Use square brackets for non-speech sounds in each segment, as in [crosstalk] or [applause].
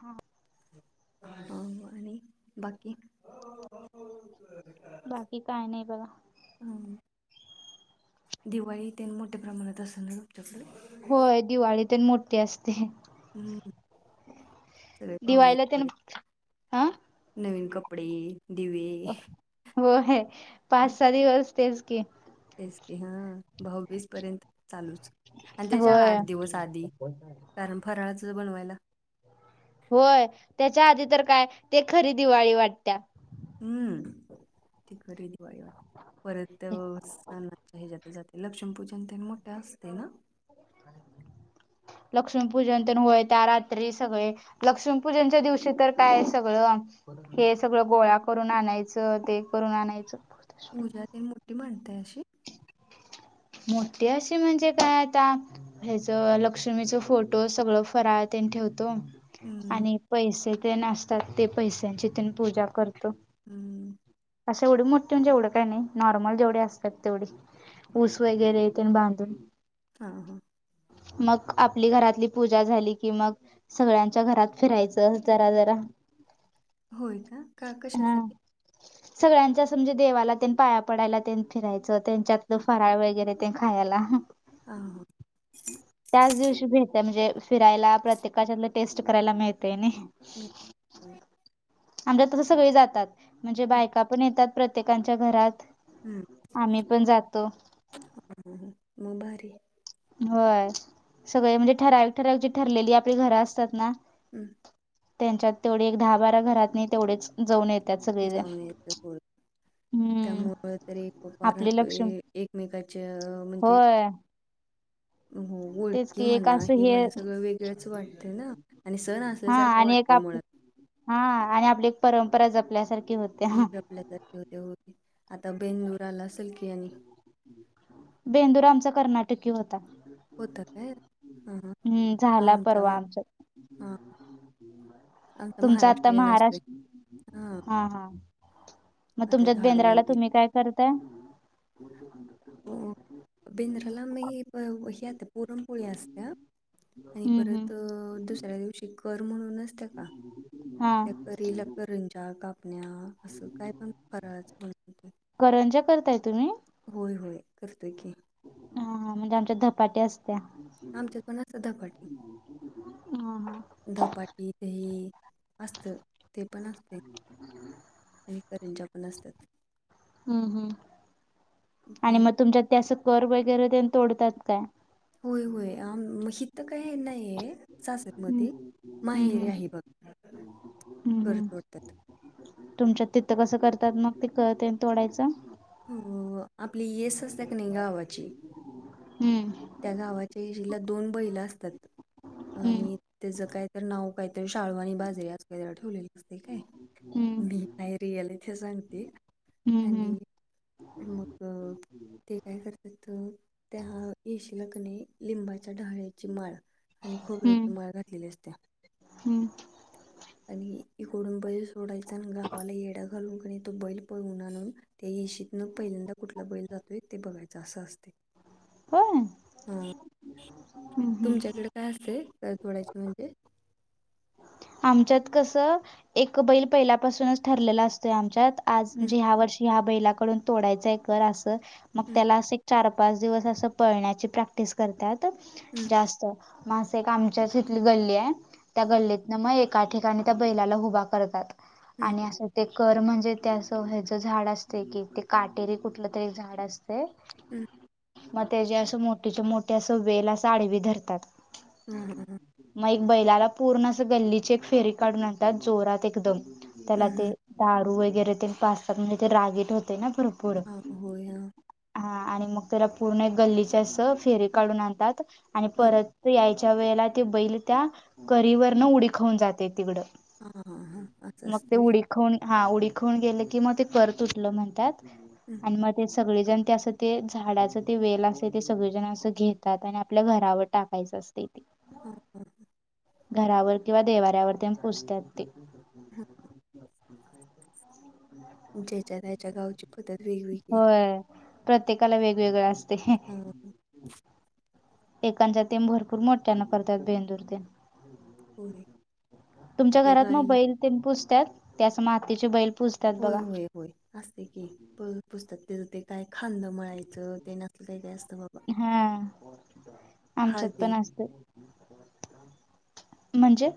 हम. हो आणि बाकी? [inaudible] बाकी काय नाही बघा. हम्म दिवाळी त्यां मोठ्या प्रमाणात असते आमच्याकडे. होय दिवाळी त मोठी असते. हम्म सगळे पाहुणे दिवाळीला आहेत तेन बरे. हा नवीन कपडे, दिवे. हो है पाच सहा दिवसतेच की. तेच की हां भाऊबीज पर्यंत. चालूच आणि त्याच्या होय आठ दिवस आधी कारण फराळाच बनवायला. होय त्याच्या आधी तर काय ते खरी दिवाळी वाटत्या. हम्म ती खरी दिवाळी वाट परत त्या [unintelligible] जात जाते लक्ष्मीपूजन तर मोठं असते ना? [inaudible] लक्ष्मीपूजन तर होय त्या रात्री सगळे लक्ष्मीपूजनच्या दिवशी तर काय आहे सगळं हे सगळं गोळा करून आणायचं ते करून आणायचं. पूजा ते मोठी म्हणतेय अशी. मोठीे असे म्हणजे काय आता हेच लक्ष्मीच फोटो सगळं फराळ तेन ठेवतो. हम्म आणि पैसे ते नासतात ते पैश्यांची तेन पूजा करतो. अम्म. अशे एवढी मोठी म्हणजे एवढं काही नाही नॉर्मल जेवढी असतात तेवढी. ऊस वेगैरे येते बांधून. हां हा. मग आपली घरातली पूजा झाली कि मग सगळ्यांच्या घरात फिरायचं जरा जरा. होय का? का हा कशासाठी? सगळ्यांच्या स मनजे देवाला त्यांनी पाया पडायला त्यांनी फिरायचं त्यांच्यात. तो फराळ वेगैरे ते खायाला. हां हां त्याच दिवशी भेट म्हणजे फिरायला प्रत्येकाच्यातल टेस्ट करायला मिळतेय नय. वेय [unintelligible] आमच्या तसं सगळे जातात. म्हणजे हम्म बायका पण येतात प्रत्येकाच्या घरात. आमी पण जातो. ह मग भारी आहे. होय सगळे म्हणजे ठराविक ठराविकची ठरलेली आपली घर असतात ना अम्. त्यांच्यात तेवढे एक दहा बारा घरातनी तेवढेच जाऊन येतात सगळेजन. जाऊन यायचं थोडं त्यामुळं तरी एक उभा राहतो ए लक्ष्मी एकमेकच्या म्हणजे होय हो तेच ओळखी की एक म्हणा असं आहे हे म्हणा सगळं वेगळंच वाटतं ना. आणि सण हा असल्यासारखा आणि एक वाटतोय आप मुळात. हा आणि आपली एक परंपरा जपल्यासारखी होती. पल्या त होते होते आता बेलूर आला सलकी आणि. बेंदूरा आमचा कर्नाटकी होता. होत का हां हां हम्म झाला परवा आमचाम आमचा हां. आमता तुमचा महाराष्ट्र आता ये न असते महाराष्ट्र हा. मग तुमच्याच बेंद्राला तुम्ही काय करताय. हो बिंद्राला मी हे पुरणपोळी असते. आणि हम्म हम्म परत दुसऱ्या दिवशी कर म्हणूनच त्याका हा त्याकरी लकरंजा कापण्या असं काय पण करायच बण करंजा करताय तुम्ही. होय होय करतोय की. हा म्हणजे आमच्या झधपाट्या असत्या. आमच्याचो ना सदा पाटील. हा हा दपाटी दही असत ते पण असते. का करंच्या पण असतात. हम्म हम् आणि मग तुमच्यात ते असं कर वगैरे ते तोडतात काय. होय होय मग श तर काय नाहीय सास. हम्म मध्ये हम्म माहेर हम्म आहे बघ हम्म हम्म करतोडतात. तुमच्यात तिथं कसं करतात मग ते कते तोडायचं. हो आपली येस असते का नाही गावाची. हम्म त्या गावाच्या इशिला दोन बैला असतात हम्म आणि. त्याचं काहीत नाव काहीतरी शाळू आणि बाजरी आज काहीत ठेवलेली. काय हम्म मी नाही रिअल इथे सांगते हम्म हम्म आणि. मग ते काय करतात त्या हा येश ला. कणे लिंबाच्या ढाळची माळ. आणि खोबऱ्याची हम्म मळ घातलेली असत्या हम्म आणि इकडून ब. थोडाण गावाला येडा घालून क तो बैल पय उन्हाळून ते इश. न पहिल्यांदा कुठला बैल जातोय ते बघायच असं असते. होय हा हम्म हम्म तुमच्याकडे काय असतेल तोडचे म्हणजे. आमच्यात कसं एक बैल पहिल्यापासूनच ठरलेलं असतोय आमच्यात आज हम्म, म्हणजे ह्या वर्षी. ह्या बैलाकडून तोडायचय कर अस मग हम्म, त्याला अस चार पाच दिवस अस पळण्याची प्रक्ट क् करतात हम्म, जास्त म एक आमच्याच इथली गल्ली आहे त्या गल्लीत एका ठिकाणी त्या बैलाला हभ करतात हं, आणि ते कर म्हणजे त्या असं ह ज झाड असते की ते काटेरी कुठलं तरी झाड असते. हम्म मग त्या ज असं मोठच्या मोठ्या अस वेला साडी बी धरतात. हम हां हां. मग एक बैलाला पूर्ण अस गल्लीची एक फेरी काढून आणतात जोरात एकदम त्याला हं, ते. हं. दारू वगैरे ते पाचतात म्हणजे ते रागीट होते ना बर. हा होय ह. हा आणि मग त्याला पूर्ण गल्लीच्या अस फेरी काढून आणतात. आणि हं. परत यायच्या वेळेला ते बैल त्या कीवरन उडीखवून जाते तिकडं. हां, हां, हां. असं मग ते असते होय? उडी खून हा उडी खून गेले की मग ते कर तुटलं म्हणतात. हं. आणि मग. ते सगळेजण ते असं ते झाडाचं ते वेल असे ते सगळेजण असं घेतात आणि आपल्या घरावर टाकतात. काहीच असतेथ ते हा ह. घरावर किंवा देवाऱ्यावर तेन पूजत्यात ते. हा. ज्याच्या त्याच्या गावची पद्धत वेगवेगळी. व्हय, प्रत्येकाला वेगवेगळं असतंय. हां, एकांचं तेम भरपूर मोठ्यानं करतेत बेंदूर ते. होय. तुमच्या आपल्या घरात मग गावी बैल तेन पूजत्यात? ते अशे मातीचे बैल पुज होय होय. होय असतंय की, प पूजत्यात त्याचं ते काय खालणं मळायचं ते न असलं काय काय असतं बा हा, आमच्यात पण हळदीनं असतं. म्हणजे?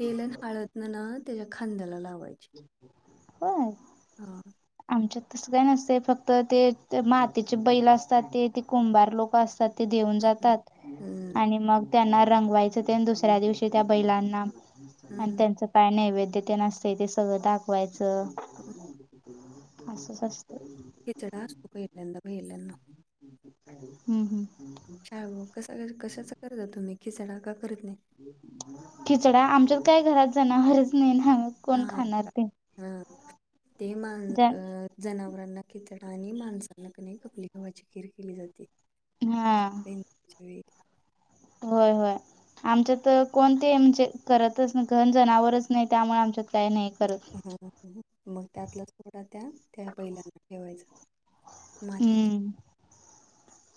तेल अन हळदनं ना त्याच्या खांद्याला लावायची. होय. हा. आमच्यात तसं काय नसतंय, फक्त ते ते मातीचे बैल असतात ते ते कुंभार लोकं असतात ते देऊन हं, हं. जातात हं, आणि मग त्यांना रंगवायचं तेन दुसऱ्या दिवशी त्या बैलांना आणि हं. त्यांचं काय नैवेद्य ते न‌ अस ते सगळं दाखवायचं, असंच असतं. हेच्या कड असतो, पहिल्यांदा पहिल्यांदा. हम्म हम्म, आवो कसा कशाचा करता तुम्ही, खिचडा का करत नाही? खिचडा आमच्यात काय घरात जनावरच नाही ना. हा कोण खाणार हा, ते हा ते मान ज अ जनावरांना खिचडा आणि माणसांना कनय खपली गव्हाची खीर केली जाते. हा [unintelligible] होय होय, आमच्यात कोणते म्हणजे करतच नाही, घन जनावरच नाही, त्यामुळे आमच्यात काही नाही करत मग त्यातला थोडा त्या त्या बैलांना ठेवायचा. माहिती हम्म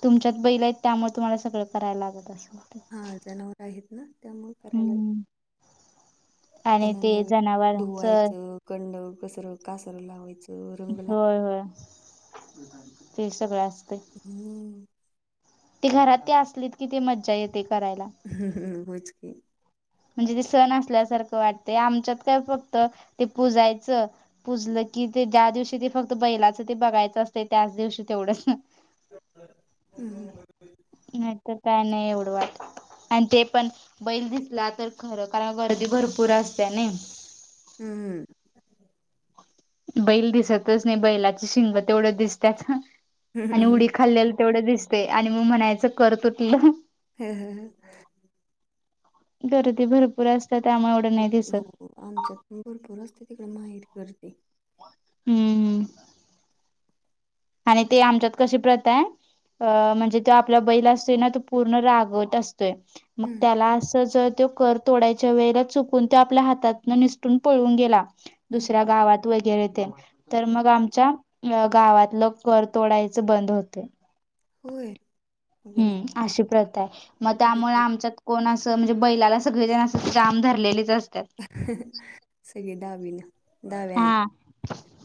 तुमच्यात बैल आहेत, त्यामुळे तुम्हाला सगळं करायला लागत असल. हा जनावर आहेत ना, त्यामुळे करायला लागतं. हम्म आणि त्यांना ते नीट जनावरांच धुवायचं कंड, कसर, कासर लावायचं. रंग ला होय होय, ते सगळ असतय. हम्म, ते घरात ते असलेत कि, ते मज्जा येते करायला. होयच की. म्हणजे ते सण असल्यासारखं वाटत आमच्यात काय फक्त ते पुजायचं पुूजलं की, ते ज्या दिवशी ते फक्त बैलाचं ते बघायचं असते त्याच दिवशी तेवढच. हम्म, नाही तर, काय नाही एवढं वाटत. आणि ते पण बैल दिसला तर, खरं कारण गर्दी भरपूर असत्या नाही. हम्म, बैल दिसतच नाही बैलाची शिंग तेवढं दिसत्यात, हम्म. आणि उडी खाल्लेल तेवढं दिसतय, आणि मग म्हणायचं कर तुटलं. [unintelligible] गर्दी भरपूर असतात, त्यामुळे एवढं नाही दिसत. आच्यात पण भरपूर असते, तिकडे माहेरी गर्दी. हम्म हम्म, आणि ते आमच्यात कशी प्रथा आहे. अ म्हणजे तो आपला बैल असतोय ना, तो पूर्ण रागवट असतोय. मग हम्म त्याला असं जर तो कर तोडायच्या वेळेला चुकून तो आपल्या हातात निसटून पळून गेला हम्म दुसऱ्या गावात. वगैरे ते, तर मग आमच्या गावातलं घर तोडायच बंद होत. होय. अगं हम्म! अशी प्रथा आहे मग बाई त्यामुळे आमच्यात. कोण असं म्हणजे बैलाला सगळेजण अस काम धरलेलेच असतात. सगळे डावी न डाव्यान. हा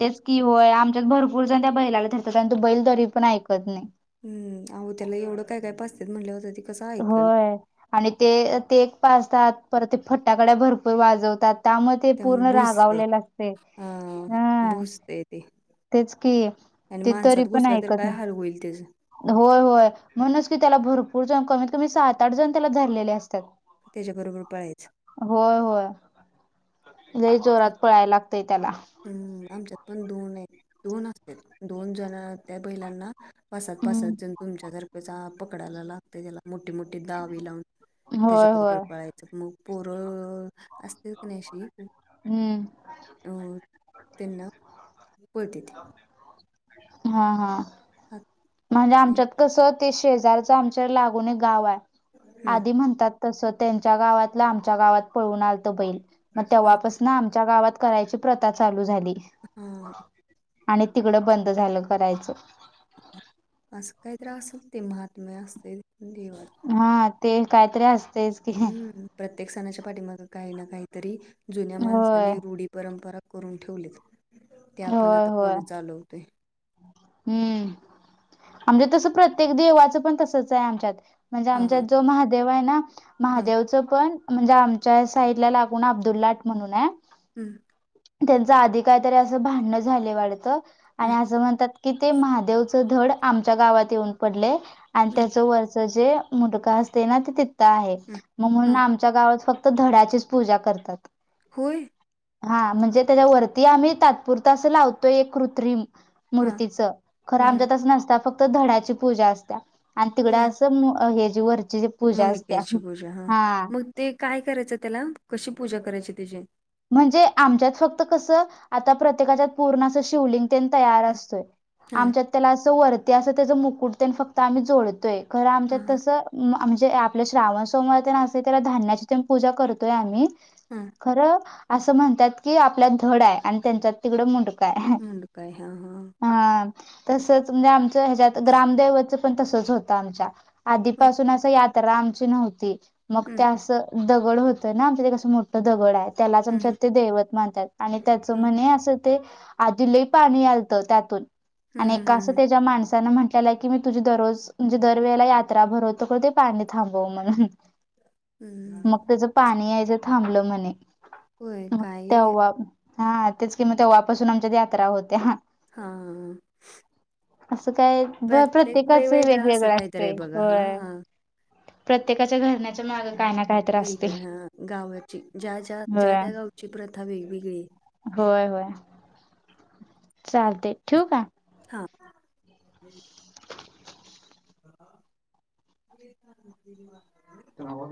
तेच कि होय, आमच्यात भरपूर जण त्या बैलाला धरत्यात आणि तो बैल तरी पण ऐकत नाही. हम्! अहो, त्याला एवढं काय काय पाजतात म्हटल्यावर तर ते, कसं ऐकल होय. आणि ते ते एक पाजतात परत ते फट्टाकड्या भरपूर वाजवतात त्यामध्ये ते पूर्ण त्यामुळे भुसतंय रागावलेलं असते. अ हम! भुसतंय ते तेच कि आणि ते तरी माणसात पण घुसला तर ऐकत न! काय हाल होईल त्याचं होय होय म्हणूनच की त्याला भरपूर जण कमीत कमी सात आठ जण त्याला धरलेले असतात. त्याच्याबरोबर पळायचं. होय होय, लई जोरात पळायला लागतंय त्याला. हम्म, आमच्यात पण दोन आहेत दोन असत दोन जण त्या बैलांना. पासात पासात हम्म जण तुमच्यासारखं जा पकडायला लागतं त्याला. मोठी मोठी दावे लावून होय होय त्याच्याबरोबर पळाय च मग पोर असतील क नाही अशी, हम्म! हो! त्यांना [unintelligible] हा, हा! ह. म्हणजे आमच्यात कसं ते शेजारच आमच्या लागुन एक गाव आहे हम्म आधी म्हणतात तस त्यांच्या गावातलं आमच्या गावात पळून आलत बैल मग हा तेव्हापास ना आमच्या गावात करायची प्रथा चालू झाली. हा हा. आणि तिकडं बंद झालं करायचं. असं काहीत असल ते महात म असते देवा हा ते कायतरी अस हम्म, प्रत्येक सणाच्या पाठीमाग काही ना काहीतरी जुन्या होय. माणसनी रूढी परंपरा करून ठेवलीत ते आपण होय आता होय पुढे चालवतोय. हम्म, आमच्या तसं प्रत्येक देवाचं पण तसच आहे आमच्यात. म्हणजे हा हा आमच्यात जो महादेव आहे ना हा महादेवच पण म्हणजे आमच्या साईड ला लागून अब्दुलाट म्हणून हाय. हम्म! त्यांच आधी काहीतरी अस भांडण झाले वाटतं हम्म आणि म्हणतात की ते महादेवच धड आमच्या गावात येऊन पडले आणि हम्म त्याच व त्याचे जे मुंडका असते ना ते तित आहे हम्म मग म्हणून हा आमच्या गावात फक्त धडाचीच पूजा करतात. होय. हा म्हणजे त्याच्या वरती आम्ही तात्पुरत असं लावतोय एक कृत्रिम हा मूर्तीचं खरं हम्म आमच्या तसं नसत फक्त धड्याची पूजा असत आणि तिकड होय अस [unintelligible] जी वर मुंडक्याची पूजा हा मग ते काय करायचं त्याला कशी पूजा करायची त्याची. म्हणजे आमच्यात फक्त कसं आता प्रत्येकाच्यात पूर्ण अस शिवलिंग, तयार हम्म. असतोय हा आमच्यात त्याला अस वरती अस त्याच मुकुटतेन फक्त आम्ही जोडतोय. खरं हा आमच्यात हा तसं, म्हणजे आपल्या श्रावण समोर असते त्याला धान्याची तेन पूजा करतोय आम्ही. हा खरं असं म्हणतात की आपल्यात धड आहे आणि त्यांच्यात तिकडं मुंडकं आहे. मुंड काय हा हा हा तसच म्हणजे आमचं ह्याच्यात ग्रामदेवचं पण तसच होतं आमच्या हा आधीपासून अस यात्रा आमची नव्हती मग हम्म तें दगड होतं ना आमच्या ते कसं मोठं दगड आहे त्यालाच हम्म आमच्या ते दैवत मानतात आणि त्याच हम्म म्हणे असं ते आदिलही पाणी आलतं त्यातून हम्म आणि हम्म एका असं हम्म त्याच्या माणसानं म्हटलेलं की मी तुझी दररोज म्हणजे दरवेळेला ता भरवत ते पाणी थांबव म्हणून हम्म मग त्याच पाणी यायचं थांबलं म्हणे होय मग काय तेव्हा हा तेच कि म तेव्हापासून आमच्या यात्रा होते हा हा असं काय प्रत्येकाच हे वेगवेगळा असं वेगवेगळं काहीतरी असतंय आहे बघा हो हां हां प्रत्येकाच्या घरण्याच्या माग काय ना काय त्रासतील वेगळं हां गावाची ज्या ज्या ज्या त्या गावची प्रथा वेगवेगळी होय होय चालते ठीक आहे हा ह [inaudible]